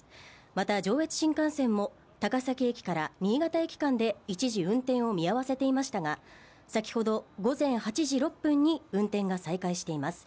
また上越新幹線も高崎駅から新潟駅間で一時運転を見合わせていましたが、先ほど午前８時６分に運転が再開しています。